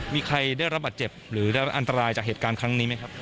มีใครได้รับบาดเจ็บหรือได้รับอันตรายจากเหตุการณ์ครั้งนี้ไหมครับ